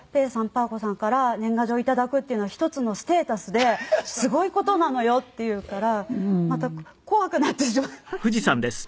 パー子さんから年賀状頂くっていうのは一つのステータスですごい事なのよって言うからまた怖くなってしまいました」